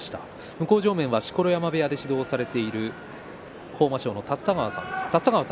向正面は錣山部屋で指導されている豊真将の立田川さんです。